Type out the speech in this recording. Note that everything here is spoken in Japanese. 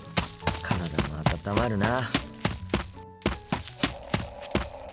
体も温まるな。